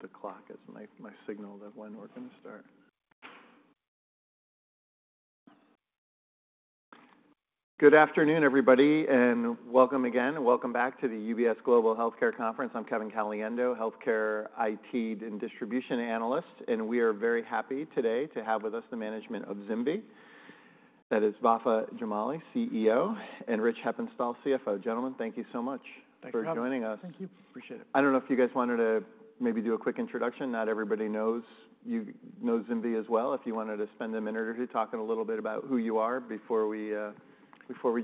The clock as my signal that when we're going to start. Good afternoon, everybody, and welcome again, and welcome back to the UBS Global Healthcare Conference. I'm Kevin Caliendo, Healthcare IT and Distribution Analyst, and we are very happy today to have with us the management of ZimVie. That is Vafa Jamali, CEO, and Rich Heppenstall, CFO. Gentlemen, thank you so much for joining us. Thank you. Appreciate it. I don't know if you guys wanted to maybe do a quick introduction? Not everybody knows ZimVie as well. If you wanted to spend a minute or two talking a little bit about who you are before we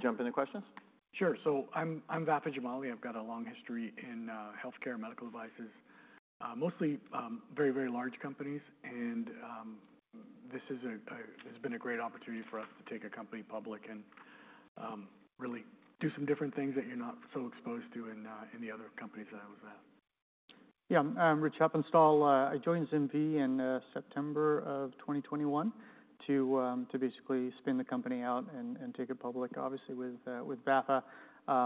jump into questions? Sure. So I'm Vafa Jamali. I've got a long history in healthcare and medical devices, mostly very, very large companies. And this has been a great opportunity for us to take a company public and really do some different things that you're not so exposed to in the other companies that I was at. Yeah. I'm Rich Heppenstall. I joined ZimVie in September of 2021 to basically spin the company out and take it public, obviously, with Vafa.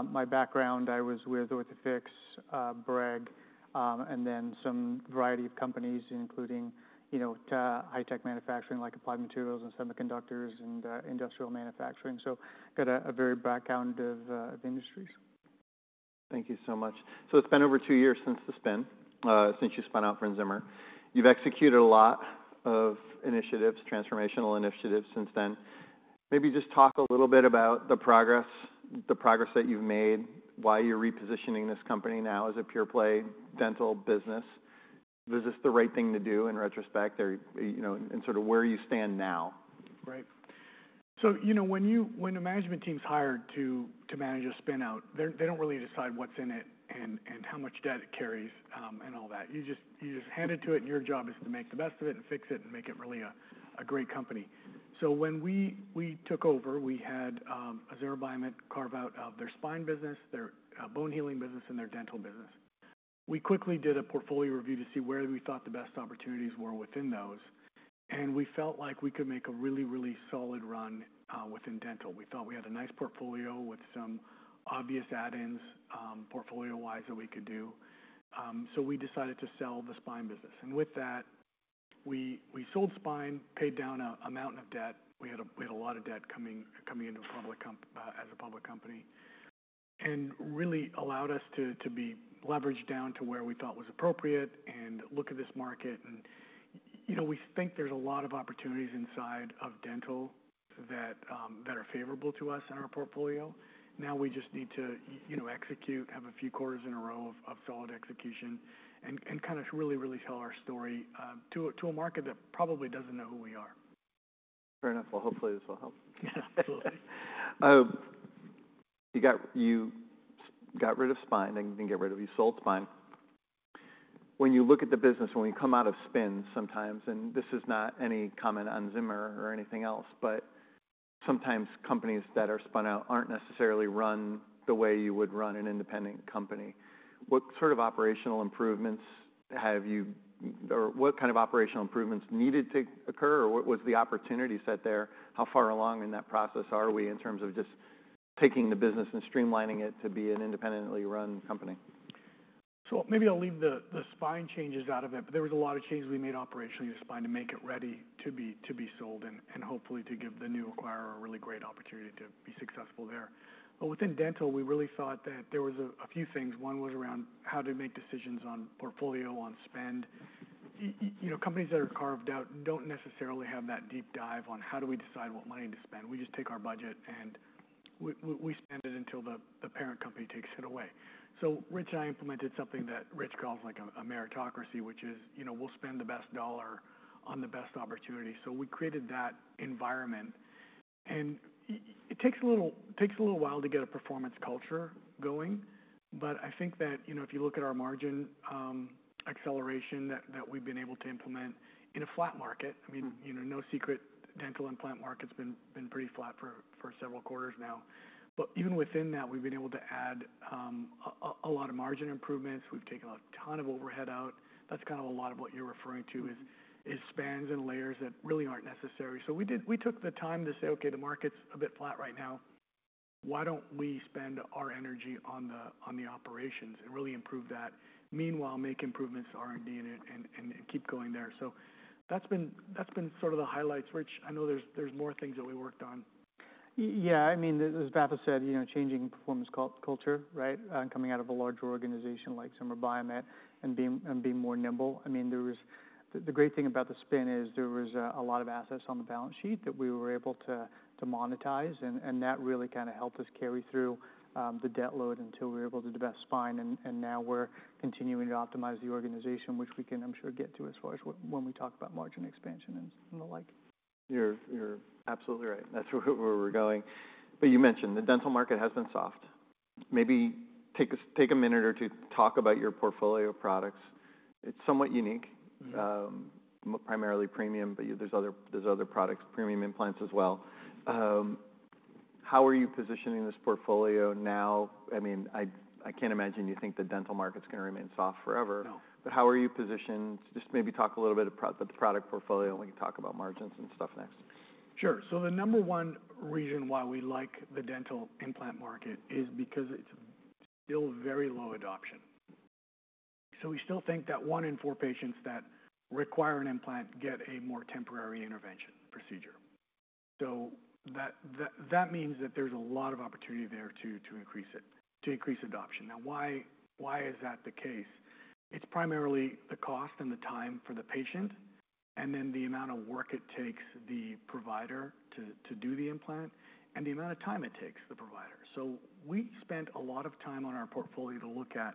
My background, I was with Orthofix, Breg, and then some variety of companies, including high-tech manufacturing like Applied Materials and semiconductors and industrial manufacturing. So I've got a varied background of industries. Thank you so much. So it's been over two years since the spin, since you spun out from Zimmer. You've executed a lot of initiatives, transformational initiatives since then. Maybe just talk a little bit about the progress that you've made, why you're repositioning this company now as a pure-play dental business. Was this the right thing to do in retrospect and sort of where you stand now? Right. So when a management team's hired to manage a spin-out, they don't really decide what's in it and how much debt it carries and all that. You just hand it to it, and your job is to make the best of it and fix it and make it really a great company. So when we took over, we had a Zimmer Biomet carve-out of their spine business, their bone healing business, and their dental business. We quickly did a portfolio review to see where we thought the best opportunities were within those. And we felt like we could make a really, really solid run within dental. We thought we had a nice portfolio with some obvious add-ins portfolio-wise that we could do. So we decided to sell the spine business. And with that, we sold spine, paid down a mountain of debt. We had a lot of debt coming into a public company as a public company and really allowed us to be leveraged down to where we thought was appropriate and look at this market, and we think there's a lot of opportunities inside of dental that are favorable to us in our portfolio. Now we just need to execute, have a few quarters in a row of solid execution, and kind of really, really tell our story to a market that probably doesn't know who we are. Fair enough. Well, hopefully, this will help. Yeah, absolutely. You got rid of spine and didn't get rid of you. You sold spine. When you look at the business, when we come out of spin sometimes, and this is not any comment on Zimmer or anything else, but sometimes companies that are spun out aren't necessarily run the way you would run an independent company. What sort of operational improvements have you or what kind of operational improvements needed to occur, or what was the opportunity set there? How far along in that process are we in terms of just taking the business and streamlining it to be an independently run company? So maybe I'll leave the spine changes out of it, but there was a lot of change we made operationally in spine to make it ready to be sold and hopefully to give the new acquirer a really great opportunity to be successful there. But within dental, we really thought that there were a few things. One was around how to make decisions on portfolio, on spend. Companies that are carved out don't necessarily have that deep dive on how do we decide what money to spend. We just take our budget and we spend it until the parent company takes it away. So Rich and I implemented something that Rich calls a meritocracy, which is we'll spend the best dollar on the best opportunity. So we created that environment. It takes a little while to get a performance culture going, but I think that if you look at our margin acceleration that we've been able to implement in a flat market, I mean, no secret, dental implant market's been pretty flat for several quarters now. Even within that, we've been able to add a lot of margin improvements. We've taken a ton of overhead out. That's kind of a lot of what you're referring to is spans and layers that really aren't necessary. We took the time to say, "Okay, the market's a bit flat right now. Why don't we spend our energy on the operations and really improve that?" Meanwhile, make improvements, R&D, and keep going there. That's been sort of the highlights. Rich, I know there's more things that we worked on. Yeah. I mean, as Vafa said, changing performance culture, right, and coming out of a larger organization like Zimmer Biomet and being more nimble. I mean, the great thing about the spin is there was a lot of assets on the balance sheet that we were able to monetize, and that really kind of helped us carry through the debt load until we were able to divest spine. And now we're continuing to optimize the organization, which we can, I'm sure, get to as far as when we talk about margin expansion and the like. You're absolutely right. That's where we're going. But you mentioned the dental market has been soft. Maybe take a minute or two to talk about your portfolio products. It's somewhat unique, primarily premium, but there's other products, premium implants as well. How are you positioning this portfolio now? I mean, I can't imagine you think the dental market's going to remain soft forever. But how are you positioned? Just maybe talk a little bit about the product portfolio, and we can talk about margins and stuff next. Sure, so the number one reason why we like the dental implant market is because it's still very low adoption, so we still think that one in four patients that require an implant get a more temporary intervention procedure, so that means that there's a lot of opportunity there to increase adoption. Now, why is that the case? It's primarily the cost and the time for the patient and then the amount of work it takes the provider to do the implant and the amount of time it takes the provider, so we spent a lot of time on our portfolio to look at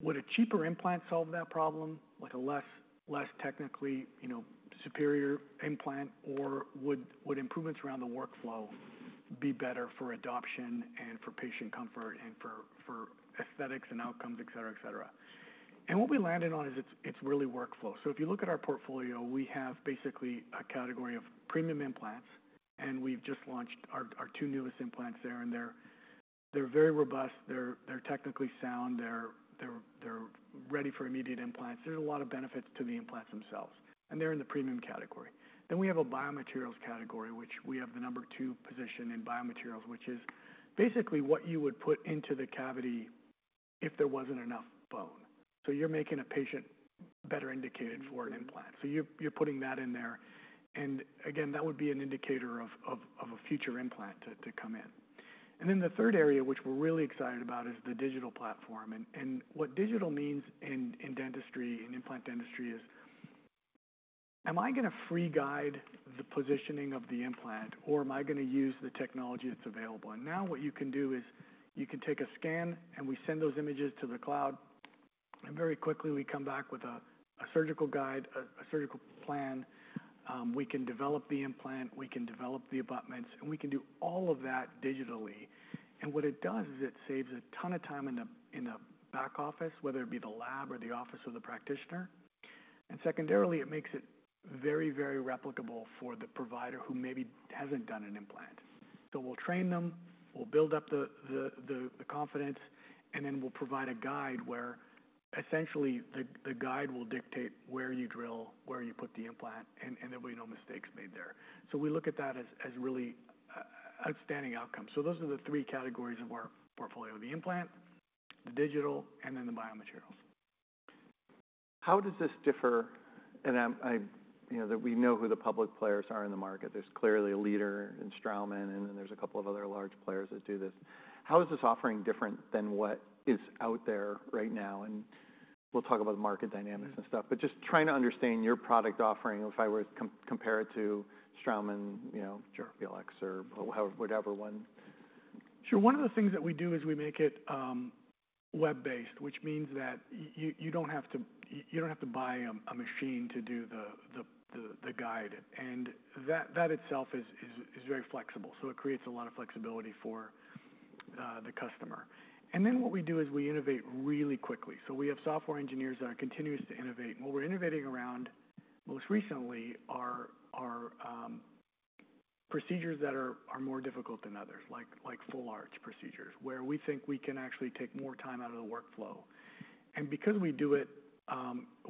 would a cheaper implant solve that problem, like a less technically superior implant, or would improvements around the workflow be better for adoption and for patient comfort and for aesthetics and outcomes, etc., etc., and what we landed on is it's really workflow. So if you look at our portfolio, we have basically a category of premium implants, and we've just launched our two newest implants there. And they're very robust. They're technically sound. They're ready for immediate implants. There's a lot of benefits to the implants themselves, and they're in the premium category. Then we have a biomaterials category, which we have the number two position in biomaterials, which is basically what you would put into the cavity if there wasn't enough bone. So you're making a patient better indicated for an implant. So you're putting that in there. And again, that would be an indicator of a future implant to come in. And then the third area, which we're really excited about, is the digital platform. What digital means in dentistry and implant dentistry is, am I going to freehand the positioning of the implant, or am I going to use the technology that's available? Now what you can do is you can take a scan, and we send those images to the cloud. Very quickly, we come back with a surgical guide, a surgical plan. We can develop the implant. We can develop the abutments, and we can do all of that digitally. What it does is it saves a ton of time in the back office, whether it be the lab or the office of the practitioner. Secondarily, it makes it very, very replicable for the provider who maybe hasn't done an implant. We'll train them. We'll build up the confidence, and then we'll provide a guide where essentially the guide will dictate where you drill, where you put the implant, and there'll be no mistakes made there. So we look at that as really outstanding outcomes. So those are the three categories of our portfolio: the implant, the digital, and then the biomaterials. How does this differ? And we know who the public players are in the market. There's clearly a leader in Straumann, and then there's a couple of other large players that do this. How is this offering different than what is out there right now? And we'll talk about the market dynamics and stuff, but just trying to understand your product offering if I were to compare it to Straumann, for example, or whatever one. Sure. One of the things that we do is we make it web-based, which means that you don't have to buy a machine to do the guide. And that itself is very flexible. So it creates a lot of flexibility for the customer. And then what we do is we innovate really quickly. So we have software engineers that are continuing to innovate. And what we're innovating around most recently are procedures that are more difficult than others, like full arch procedures, where we think we can actually take more time out of the workflow. And because we do it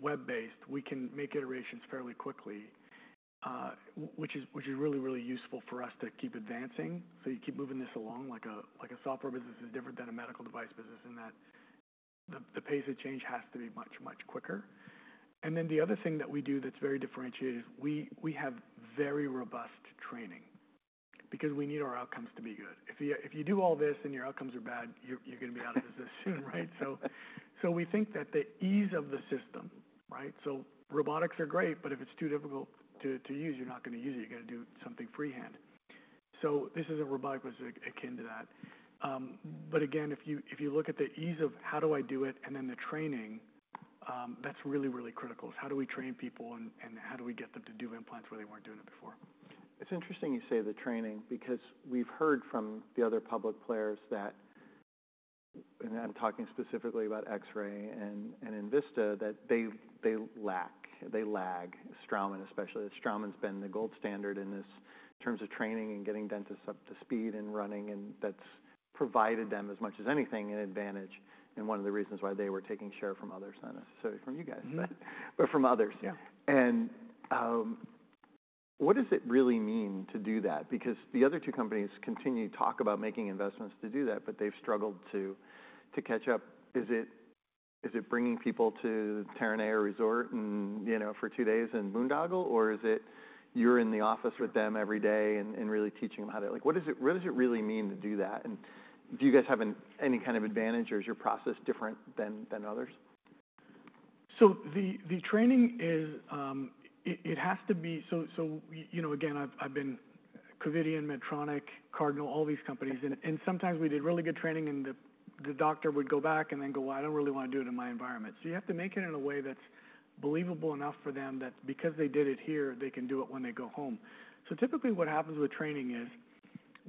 web-based, we can make iterations fairly quickly, which is really, really useful for us to keep advancing. So you keep moving this along. Like a software business is different than a medical device business in that the pace of change has to be much, much quicker. And then the other thing that we do that's very differentiated is we have very robust training because we need our outcomes to be good. If you do all this and your outcomes are bad, you're going to be out of business soon, right? So we think that the ease of the system, right? So robotics are great, but if it's too difficult to use, you're not going to use it. You're going to do something freehand. So this is a robotic was akin to that. But again, if you look at the ease of how do I do it and then the training, that's really, really critical. It's how do we train people and how do we get them to do implants where they weren't doing it before? It's interesting you say the training because we've heard from the other public players that, and I'm talking specifically about Sirona and Envista, that they lack. They lag, Straumann especially. Straumann's been the gold standard in this terms of training and getting dentists up to speed and running, and that's provided them as much as anything an advantage. And one of the reasons why they were taking share from others, not necessarily from you guys, but from others. And what does it really mean to do that? Because the other two companies continue to talk about making investments to do that, but they've struggled to catch up. Is it bringing people to Terranea Resort for two days and boondoggle, or is it you're in the office with them every day and really teaching them how to? What does it really mean to do that? Do you guys have any kind of advantage, or is your process different than others? The training, it has to be so. Again, I've been Covidien, Medtronic, Cardinal Health, all these companies. And sometimes we did really good training, and the doctor would go back and then go, "Well, I don't really want to do it in my environment." So you have to make it in a way that's believable enough for them that because they did it here, they can do it when they go home. So typically what happens with training is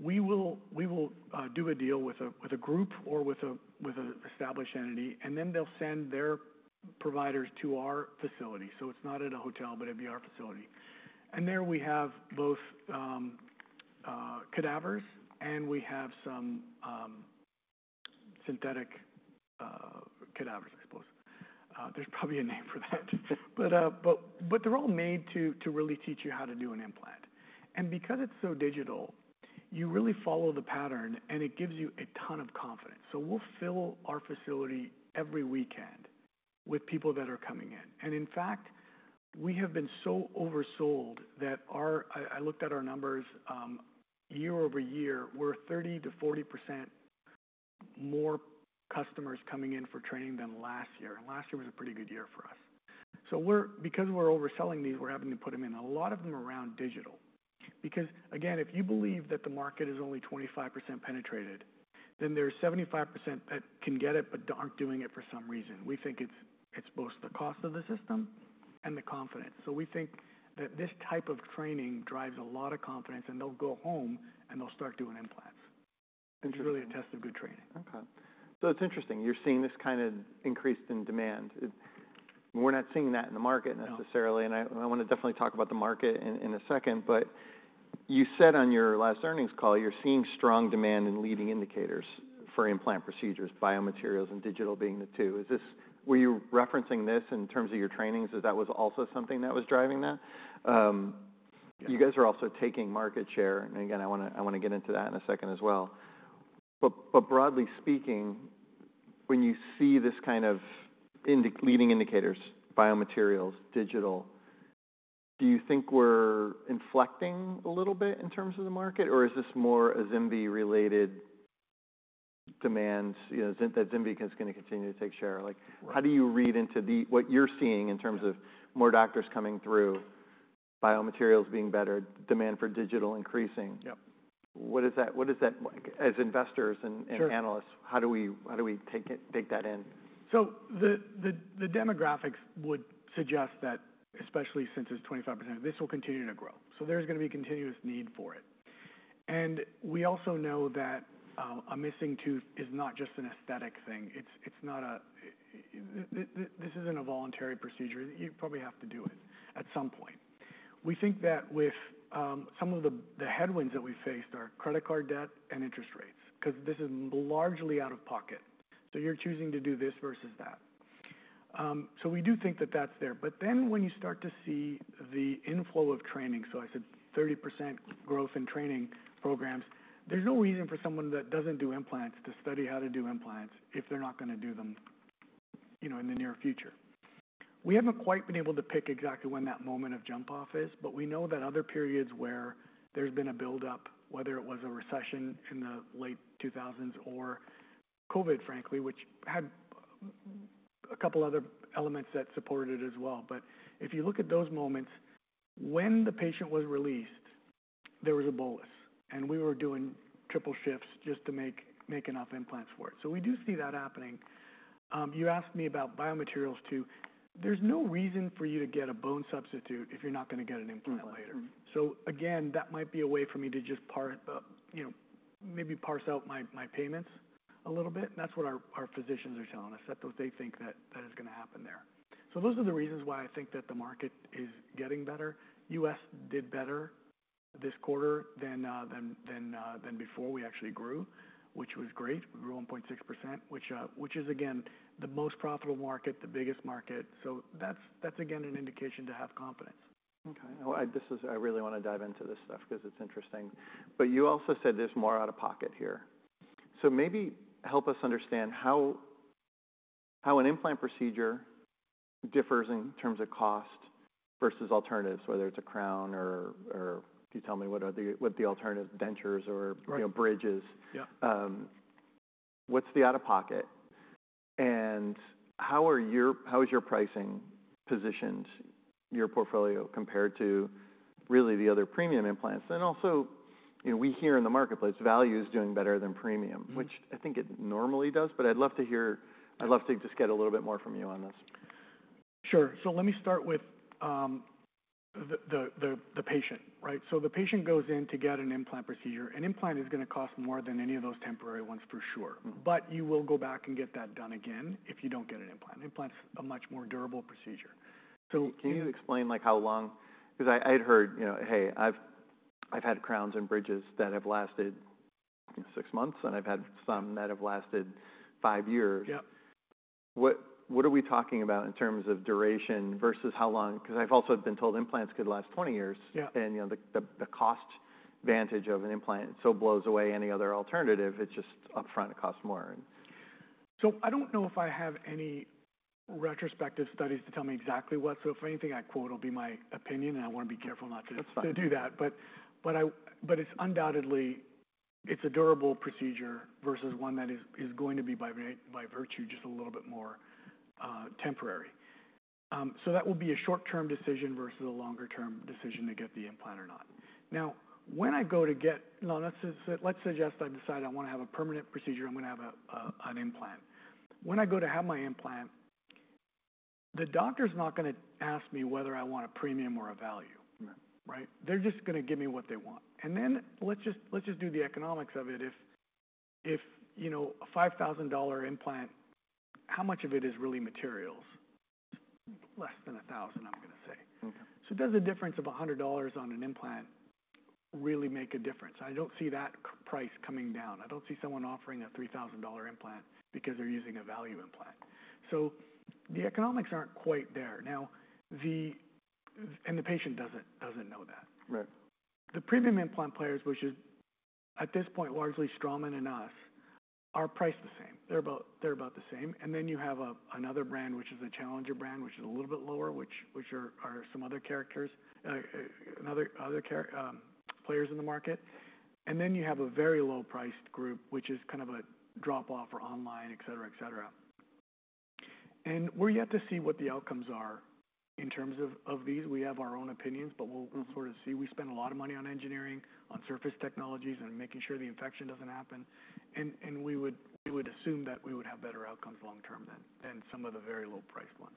we will do a deal with a group or with an established entity, and then they'll send their providers to our facility. So it's not at a hotel, but it'd be our facility. And there we have both cadavers, and we have some synthetic cadavers, I suppose. There's probably a name for that. But they're all made to really teach you how to do an implant. Because it's so digital, you really follow the pattern, and it gives you a ton of confidence. So we'll fill our facility every weekend with people that are coming in. In fact, we have been so oversold that I looked at our numbers year over year. We're 30%-40% more customers coming in for training than last year. Last year was a pretty good year for us. Because we're overselling these, we're having to put them in a lot of them around digital. Again, if you believe that the market is only 25% penetrated, then there's 75% that can get it but aren't doing it for some reason. We think it's both the cost of the system and the confidence. So we think that this type of training drives a lot of confidence, and they'll go home and they'll start doing implants. It's really a test of good training. Okay. So it's interesting. You're seeing this kind of increase in demand. We're not seeing that in the market necessarily. And I want to definitely talk about the market in a second. But you said on your last earnings call, you're seeing strong demand and leading indicators for implant procedures, biomaterials and digital being the two. Were you referencing this in terms of your trainings? Is that was also something that was driving that? You guys are also taking market share. And again, I want to get into that in a second as well. But broadly speaking, when you see this kind of leading indicators, biomaterials, digital, do you think we're inflecting a little bit in terms of the market, or is this more a ZimVie related demand that ZimVie is going to continue to take share? How do you read into what you're seeing in terms of more doctors coming through, biomaterials being better, demand for digital increasing? What is that? As investors and analysts, how do we take that in? So the demographics would suggest that especially since it's 25%, this will continue to grow. So there's going to be continuous need for it. And we also know that a missing tooth is not just an aesthetic thing. This isn't a voluntary procedure. You probably have to do it at some point. We think that with some of the headwinds that we faced are credit card debt and interest rates because this is largely out of pocket. So you're choosing to do this versus that. So we do think that that's there. But then when you start to see the inflow of training, so I said 30% growth in training programs, there's no reason for someone that doesn't do implants to study how to do implants if they're not going to do them in the near future. We haven't quite been able to pick exactly when that moment of jump off is, but we know that other periods where there's been a buildup, whether it was a recession in the late 2000s or COVID, frankly, which had a couple of other elements that supported it as well, but if you look at those moments, when the patient was released, there was a bolus, and we were doing triple shifts just to make enough implants for it, so we do see that happening. You asked me about biomaterials too. There's no reason for you to get a bone substitute if you're not going to get an implant later, so again, that might be a way for me to just maybe parse out my payments a little bit, and that's what our physicians are telling us, that they think that that is going to happen there. So those are the reasons why I think that the market is getting better. U.S. did better this quarter than before. We actually grew, which was great. We grew 1.6%, which is again the most profitable market, the biggest market. So that's again an indication to have confidence. Okay. I really want to dive into this stuff because it's interesting. But you also said there's more out of pocket here. So maybe help us understand how an implant procedure differs in terms of cost versus alternatives, whether it's a crown or if you tell me what the alternatives dentures or bridges. What's the out of pocket? And how is your pricing positioned, your portfolio compared to really the other premium implants? And also we hear in the marketplace value is doing better than premium, which I think it normally does, but I'd love to hear. I'd love to just get a little bit more from you on this. Sure. So let me start with the patient, right? So the patient goes in to get an implant procedure. An implant is going to cost more than any of those temporary ones for sure, but you will go back and get that done again if you don't get an implant. Implants are a much more durable procedure. So. Can you explain how long? Because I'd heard, hey, I've had crowns and bridges that have lasted six months, and I've had some that have lasted five years. What are we talking about in terms of duration versus how long? Because I've also been told implants could last 20 years, and the cost advantage of an implant so blows away any other alternative. It's just upfront, it costs more. So I don't know if I have any retrospective studies to tell me exactly what. So if anything I quote, it'll be my opinion, and I want to be careful not to do that. But it's undoubtedly a durable procedure versus one that is going to be by virtue just a little bit more temporary. So that will be a short-term decision versus a longer-term decision to get the implant or not. Now, when I go to get let's suggest I decide I want to have a permanent procedure. I'm going to have an implant. When I go to have my implant, the doctor's not going to ask me whether I want a premium or a value, right? They're just going to give me what they want. And then let's just do the economics of it. If a $5,000 implant, how much of it is really materials? Less than a thousand, I'm going to say. So does the difference of $100 on an implant really make a difference? I don't see that price coming down. I don't see someone offering a $3,000 implant because they're using a value implant. So the economics aren't quite there. And the patient doesn't know that. The premium implant players, which is at this point largely Straumann and us, are priced the same. They're about the same. And then you have another brand, which is a challenger brand, which is a little bit lower, which are some other characters, other players in the market. And then you have a very low-priced group, which is kind of a drop-off or online, etc., etc. And we're yet to see what the outcomes are in terms of these. We have our own opinions, but we'll sort of see. We spend a lot of money on engineering, on surface technologies, and making sure the infection doesn't happen, and we would assume that we would have better outcomes long-term than some of the very low-priced ones.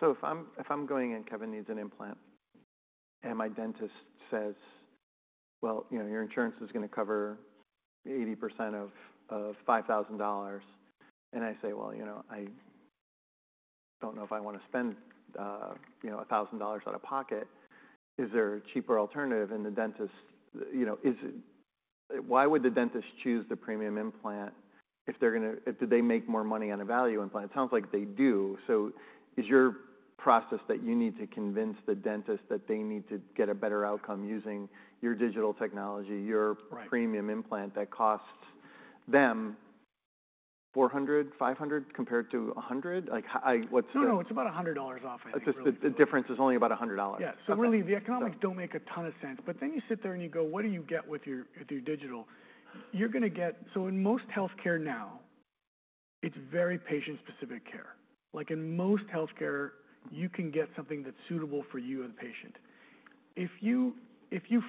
So if I'm going and Kevin needs an implant and my dentist says, "Well, your insurance is going to cover 80% of $5,000," and I say, "Well, I don't know if I want to spend $1,000 out of pocket. Is there a cheaper alternative?" And the dentist, why would the dentist choose the premium implant if they're going to make more money on a value implant? It sounds like they do. So is your process that you need to convince the dentist that they need to get a better outcome using your digital technology, your premium implant that costs them $400-$500 compared to $100? No, no, it's about $100 off. The difference is only about $100. Yeah. So really, the economics don't make a ton of sense. But then you sit there and you go, "What do you get with your digital?" You're going to get so in most healthcare now, it's very patient-specific care. In most healthcare, you can get something that's suitable for you as a patient. If you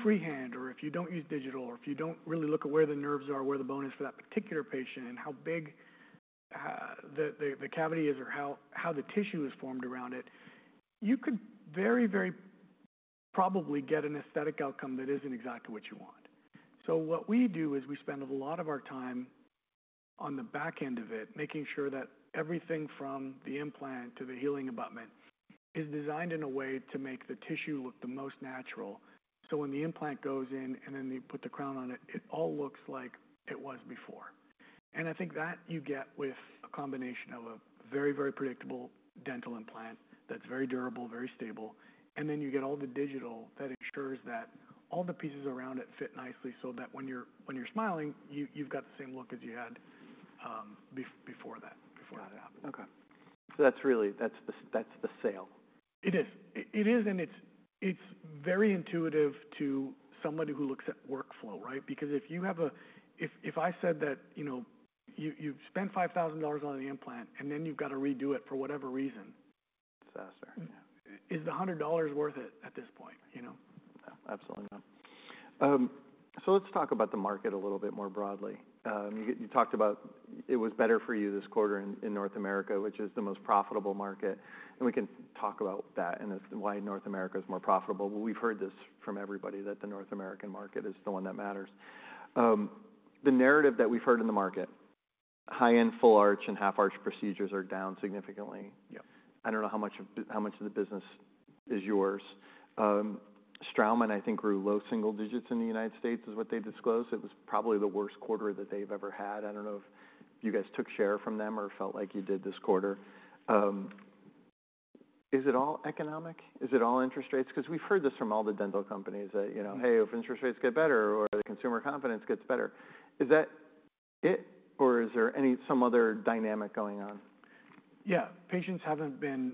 freehand or if you don't use digital or if you don't really look at where the nerves are, where the bone is for that particular patient and how big the cavity is or how the tissue is formed around it, you could very, very probably get an aesthetic outcome that isn't exactly what you want. So what we do is we spend a lot of our time on the back end of it, making sure that everything from the implant to the healing abutment is designed in a way to make the tissue look the most natural. So when the implant goes in and then you put the crown on it, it all looks like it was before. And I think that you get with a combination of a very, very predictable dental implant that's very durable, very stable. And then you get all the digital that ensures that all the pieces around it fit nicely so that when you're smiling, you've got the same look as you had before that happened. Okay. So that's really the sale. It is. It is. And it's very intuitive to somebody who looks at workflow, right? Because if I said that you've spent $5,000 on an implant and then you've got to redo it for whatever reason. It's faster. Is the $100 worth it at this point? Absolutely not. So let's talk about the market a little bit more broadly. You talked about it was better for you this quarter in North America, which is the most profitable market. And we can talk about that and why North America is more profitable. We've heard this from everybody that the North American market is the one that matters. The narrative that we've heard in the market, high-end full arch and half-arch procedures are down significantly. I don't know how much of the business is yours. Straumann, I think, grew low single digits in the United States is what they disclosed. It was probably the worst quarter that they've ever had. I don't know if you guys took share from them or felt like you did this quarter. Is it all economic? Is it all interest rates? Because we've heard this from all the dental companies that, hey, if interest rates get better or the consumer confidence gets better, is that it or is there some other dynamic going on? Yeah. Patients haven't been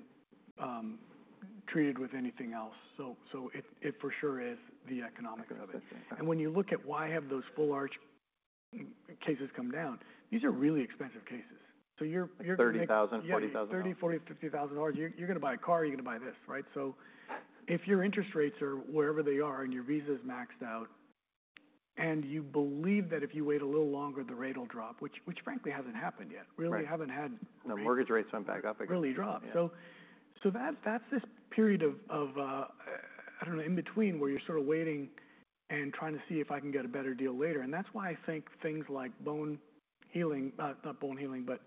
treated with anything else. So it for sure is the economics of it. And when you look at why have those full arch cases come down, these are really expensive cases. So you're going to. 30,000, 40,000. $30,000, $40,000, $50,000. You're going to buy a car, you're going to buy this, right? If your interest rates are wherever they are and your Visa is maxed out and you believe that if you wait a little longer, the rate will drop, which frankly hasn't happened yet. Really, I haven't had. The mortgage rates went back up again. Really dropped. So that's this period of, I don't know, in between where you're sort of waiting and trying to see if I can get a better deal later. And that's why I think things like bone healing, not bone healing, but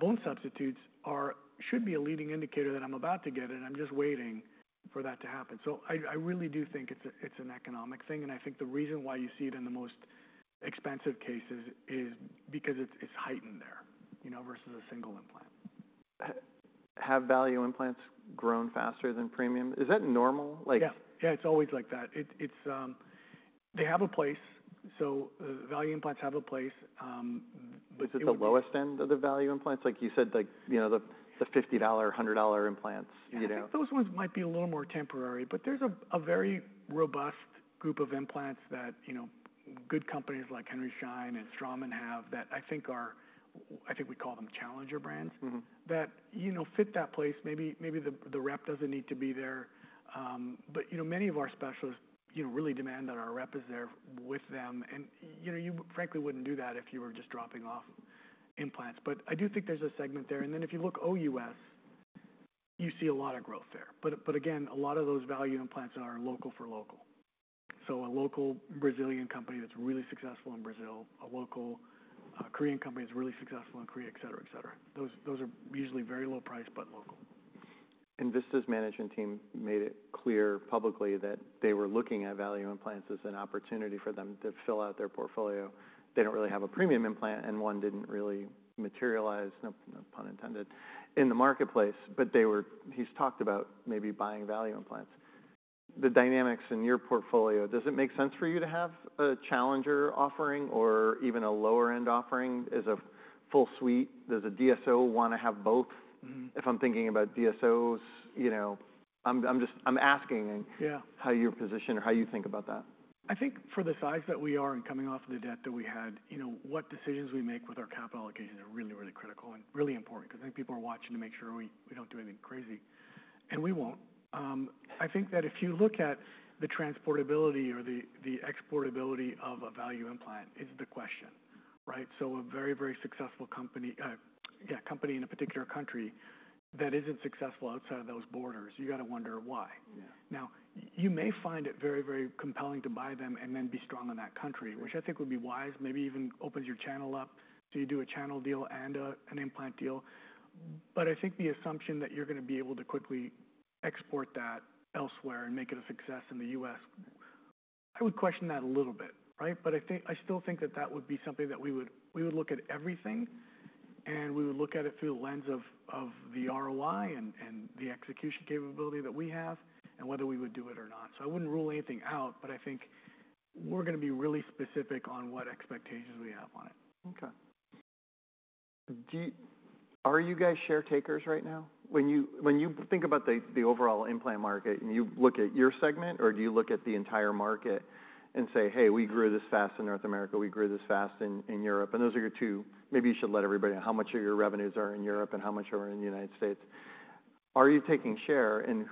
bone substitutes should be a leading indicator that I'm about to get it and I'm just waiting for that to happen. So I really do think it's an economic thing. And I think the reason why you see it in the most expensive cases is because it's heightened there versus a single implant. Have value implants grown faster than premium? Is that normal? Yeah. Yeah, it's always like that. They have a place. So value implants have a place. Is it the lowest end of the value implants? Like you said, the $50, $100 implants. Those ones might be a little more temporary, but there's a very robust group of implants that good companies like Henry Schein and Straumann have that I think we call them challenger brands that fit that place. Maybe the rep doesn't need to be there, but many of our specialists really demand that our rep is there with them. And you frankly wouldn't do that if you were just dropping off implants. But I do think there's a segment there. And then if you look OUS, you see a lot of growth there. But again, a lot of those value implants are local for local. So a local Brazilian company that's really successful in Brazil, a local Korean company that's really successful in Korea, etc., etc. Those are usually very low-priced, but local. Envista's management team made it clear publicly that they were looking at value implants as an opportunity for them to fill out their portfolio. They don't really have a premium implant and one didn't really materialize, no pun intended, in the marketplace, but he's talked about maybe buying value implants. The dynamics in your portfolio, does it make sense for you to have a challenger offering or even a lower-end offering as a full suite? Does a DSO want to have both? If I'm thinking about DSOs, I'm asking how you're positioned or how you think about that. I think for the size that we are and coming off of the debt that we had, what decisions we make with our capital allocations are really, really critical and really important because I think people are watching to make sure we don't do anything crazy, and we won't. I think that if you look at the transportability or the exportability of a value implant, it's the question, right, so a very, very successful company, yeah, company in a particular country that isn't successful outside of those borders, you got to wonder why. Now, you may find it very, very compelling to buy them and then be strong in that country, which I think would be wise. Maybe even opens your channel up, so you do a channel deal and an implant deal. But I think the assumption that you're going to be able to quickly export that elsewhere and make it a success in the U.S., I would question that a little bit, right? But I still think that that would be something that we would look at everything and we would look at it through the lens of the ROI and the execution capability that we have and whether we would do it or not. So I wouldn't rule anything out, but I think we're going to be really specific on what expectations we have on it. Okay. Are you guys share takers right now? When you think about the overall implant market and you look at your segment, or do you look at the entire market and say, "Hey, we grew this fast in North America, we grew this fast in Europe"? And those are your two. Maybe you should let everybody know how much of your revenues are in Europe and how much are in the United States. Are you taking share and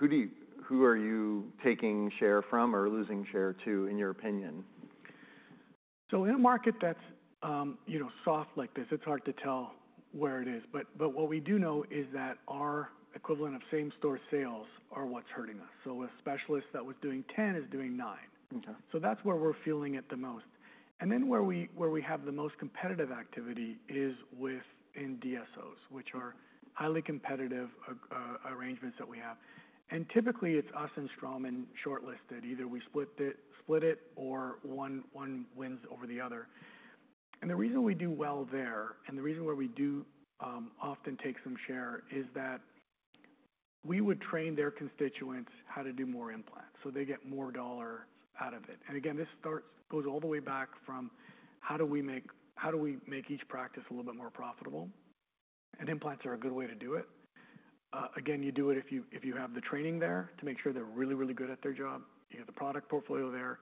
who are you taking share from or losing share to, in your opinion? In a market that's soft like this, it's hard to tell where it is. But what we do know is that our equivalent of same-store sales are what's hurting us. So a specialist that was doing 10 is doing 9. So that's where we're feeling it the most. And then where we have the most competitive activity is within DSOs, which are highly competitive arrangements that we have. And typically, it's us and Straumann shortlisted. Either we split it or one wins over the other. And the reason we do well there and the reason why we do often take some share is that we would train their constituents how to do more implants so they get more dollars out of it. And again, this goes all the way back from how do we make each practice a little bit more profitable? And implants are a good way to do it. Again, you do it if you have the training there to make sure they're really, really good at their job. You have the product portfolio there.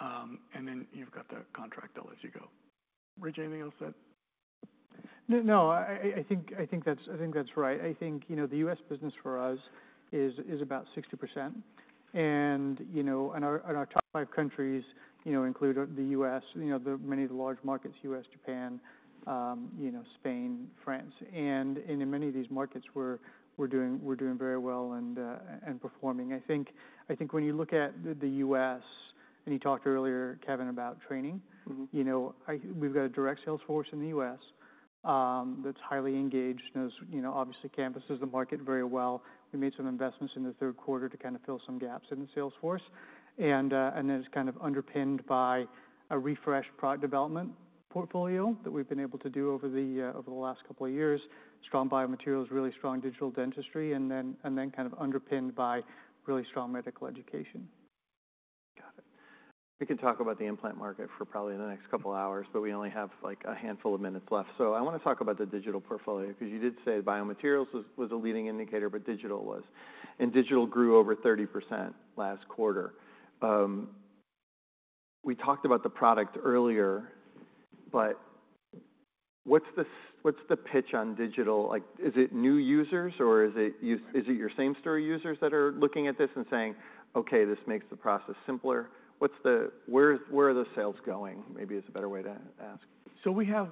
And then you've got the contract dollars you go. Rich, anything else to add? No, I think that's right. I think the U.S. business for us is about 60%. And our top five countries include the U.S., many of the large markets, U.S., Japan, Spain, France. And in many of these markets, we're doing very well and performing. I think when you look at the U.S. and you talked earlier, Kevin, about training, we've got a direct sales force in the U.S. that's highly engaged, knows obviously canvasses the market very well. We made some investments in the third quarter to kind of fill some gaps in the sales force. And then it's kind of underpinned by a refreshed product development portfolio that we've been able to do over the last couple of years. Strong biomaterials, really strong digital dentistry, and then kind of underpinned by really strong medical education. Got it. We can talk about the implant market for probably the next couple of hours, but we only have a handful of minutes left. So I want to talk about the digital portfolio because you did say biomaterials was a leading indicator, but digital was. And digital grew over 30% last quarter. We talked about the product earlier, but what's the pitch on digital? Is it new users or is it your same-store users that are looking at this and saying, "Okay, this makes the process simpler"? Where are those sales going? Maybe is a better way to ask. So we have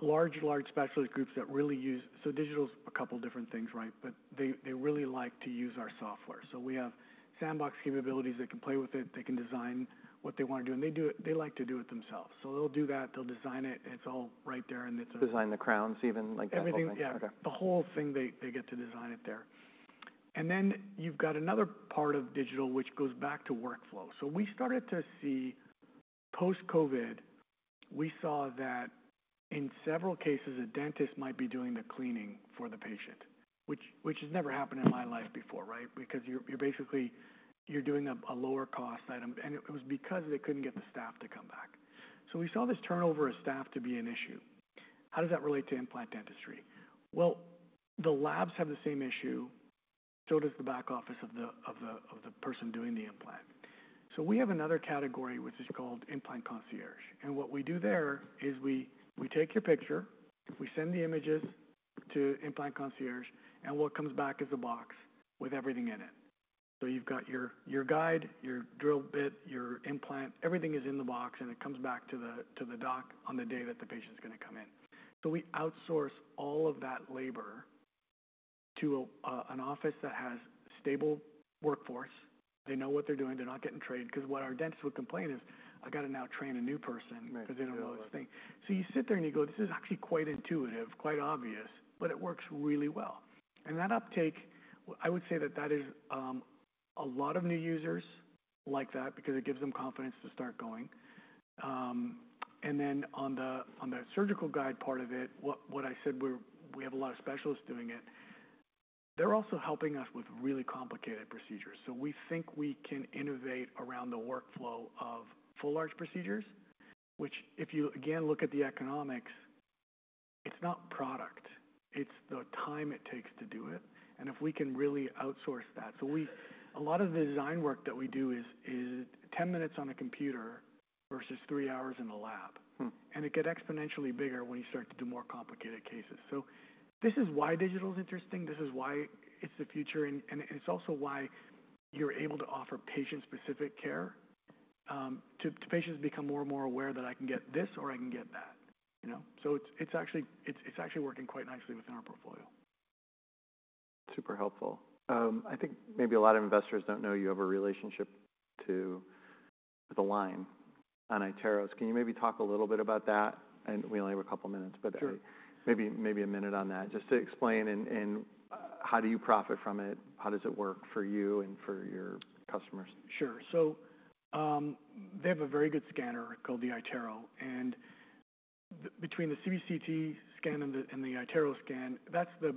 large, large specialist groups that really use so digital's a couple of different things, right? But they really like to use our software. So we have sandbox capabilities. They can play with it. They can design what they want to do. And they like to do it themselves. So they'll do that. They'll design it. It's all right there and it's. Design the crowns even like that. Everything, yeah. The whole thing, they get to design it there. Then you've got another part of digital, which goes back to workflow. We started to see post-COVID, we saw that in several cases, a dentist might be doing the cleaning for the patient, which has never happened in my life before, right? Because you're basically doing a lower-cost item. And it was because they couldn't get the staff to come back. We saw this turnover of staff to be an issue. How does that relate to implant dentistry? The labs have the same issue. The back office of the person doing the implant has the same issue. We have another category, which is called Implant Concierge. What we do there is we take your picture, we send the images to Implant Concierge, and what comes back is a box with everything in it. So you've got your guide, your drill bit, your implant, everything is in the box, and it comes back to the doc on the day that the patient's going to come in. So we outsource all of that labor to an office that has a stable workforce. They know what they're doing. They're not getting trained because what our dentists would complain is, "I got to now train a new person because they don't know this thing." So you sit there and you go, "This is actually quite intuitive, quite obvious, but it works really well." And that uptake, I would say that that is a lot of new users like that because it gives them confidence to start going. And then on the surgical guide part of it, what I said, we have a lot of specialists doing it. They're also helping us with really complicated procedures. We think we can innovate around the workflow of full arch procedures, which if you again look at the economics, it's not product. It's the time it takes to do it. And if we can really outsource that. A lot of the design work that we do is 10 minutes on a computer versus three hours in the lab. And it gets exponentially bigger when you start to do more complicated cases. This is why digital is interesting. This is why it's the future. And it's also why you're able to offer patient-specific care to patients become more and more aware that I can get this or I can get that. It's actually working quite nicely within our portfolio. Super helpful. I think maybe a lot of investors don't know you have a relationship to Align on iTeros. Can you maybe talk a little bit about that? And we only have a couple of minutes, but maybe a minute on that just to explain and how do you profit from it? How does it work for you and for your customers? Sure. So they have a very good scanner called the iTero. And between the CBCT scan and the iTero scan, that's the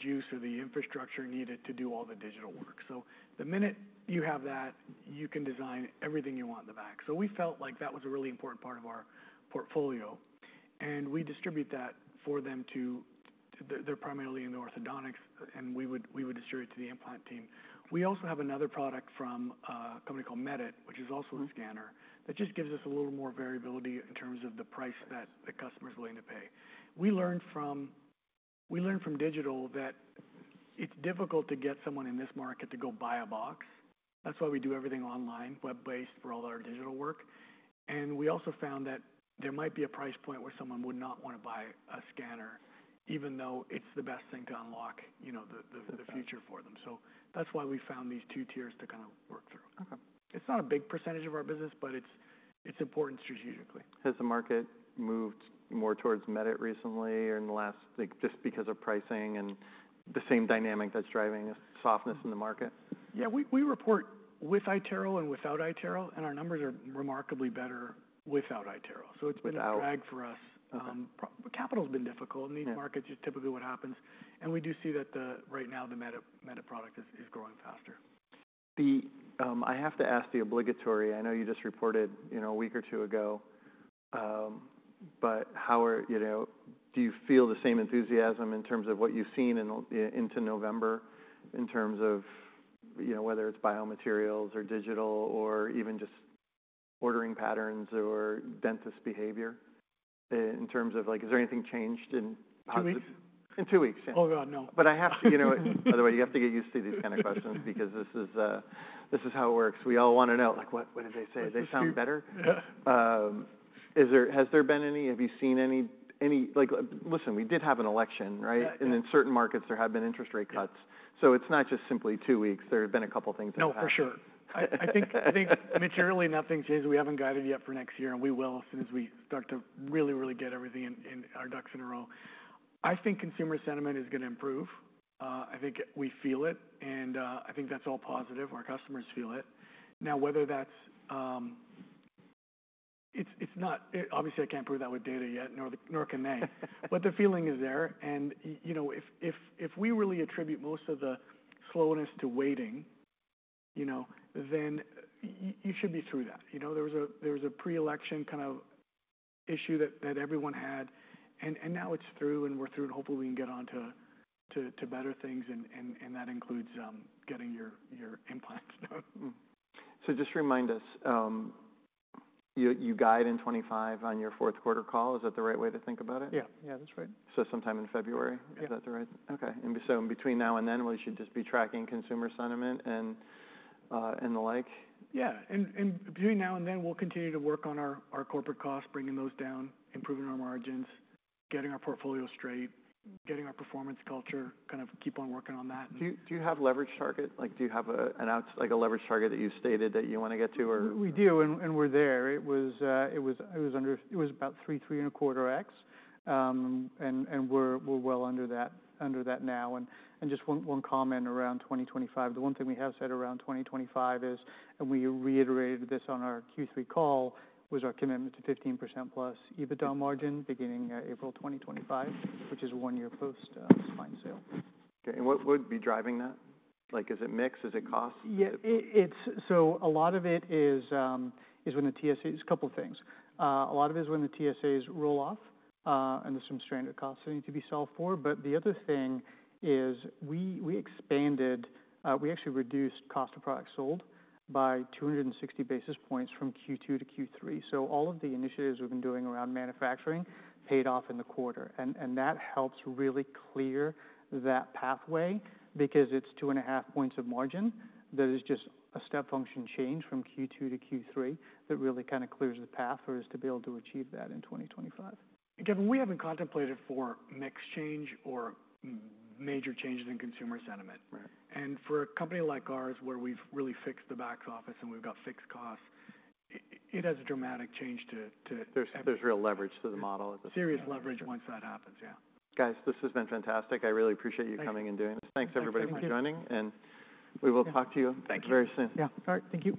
juice or the infrastructure needed to do all the digital work. So the minute you have that, you can design everything you want in the back. So we felt like that was a really important part of our portfolio. And we distribute that for them too. They're primarily in the orthodontics, and we would distribute it to the implant team. We also have another product from a company called Medit, which is also a scanner that just gives us a little more variability in terms of the price that the customer is willing to pay. We learned from digital that it's difficult to get someone in this market to go buy a box. That's why we do everything online, web-based for all our digital work. We also found that there might be a price point where someone would not want to buy a scanner, even though it's the best thing to unlock the future for them. That's why we found these two tiers to kind of work through. It's not a big percentage of our business, but it's important strategically. Has the market moved more towards Medit recently or in the last just because of pricing and the same dynamic that's driving a softness in the market? Yeah, we report with iTero and without iTero, and our numbers are remarkably better without iTero. So it's been a drag for us. Capital has been difficult in these markets is typically what happens. And we do see that right now the Medit product is growing faster. I have to ask the obligatory. I know you just reported a week or two ago, but how do you feel the same enthusiasm in terms of what you've seen into November in terms of whether it's biomaterials or digital or even just ordering patterns or dentist behavior? In terms of, is there anything changed in. Two weeks. In two weeks. Oh God, no. But I have to, by the way, you have to get used to these kinds of questions because this is how it works. We all want to know, like, "What did they say? Did they sound better?" Has there been any? Have you seen any? Listen, we did have an election, right? And in certain markets, there have been interest rate cuts. So it's not just simply two weeks. There have been a couple of things that have happened. No, for sure. I think materially nothing changes. We haven't got it yet for next year, and we will as soon as we start to really, really get everything in our ducks in a row. I think consumer sentiment is going to improve. I think we feel it, and I think that's all positive. Our customers feel it. Now, whether that's obviously, I can't prove that with data yet, nor can they. But the feeling is there. And if we really attribute most of the slowness to waiting, then you should be through that. There was a pre-election kind of issue that everyone had, and now it's through, and we're through, and hopefully we can get on to better things, and that includes getting your implants done. So just remind us, your guide in 2025 on your fourth quarter call. Is that the right way to think about it? Yeah. Yeah, that's right. Sometime in February, is that right? Yeah. Okay. And so between now and then, we should just be tracking consumer sentiment and the like? Yeah. And between now and then, we'll continue to work on our corporate costs, bringing those down, improving our margins, getting our portfolio straight, getting our performance culture, kind of keep on working on that. Do you have leverage target? Do you have a leverage target that you stated that you want to get to? We do, and we're there. It was about three, three and a quarter X, and we're well under that now, and just one comment around 2025. The one thing we have said around 2025 is, and we reiterated this on our Q3 call, was our commitment to 15% plus EBITDA margin beginning April 2025, which is one year post spine sale. Okay. And what would be driving that? Is it mixed? Is it cost? Yeah. So a lot of it is a couple of things. A lot of it is when the TSAs roll off, and there's some stranded costs that need to be solved for. But the other thing is we expanded. We actually reduced cost of goods sold by 260 basis points from Q2 to Q3. So all of the initiatives we've been doing around manufacturing paid off in the quarter. And that helps really clear that pathway because it's two and a half points of margin that is just a step function change from Q2 to Q3 that really kind of clears the path for us to be able to achieve that in 2025. Kevin, we haven't contemplated foreign exchange or major changes in consumer sentiment, and for a company like ours where we've really fixed the back office and we've got fixed costs, it has a dramatic change to. There's real leverage to the model. Serious leverage once that happens, yeah. Guys, this has been fantastic. I really appreciate you coming and doing this. Thanks, everybody, for joining. And we will talk to you very soon. Thank you.